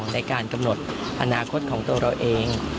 ในการกำหนดอนาคตของตัวเราเอง